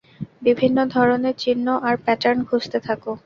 বিভিন্ন ধরনের চিহ্ন আর প্যাটার্ন খুঁজতে থাকো।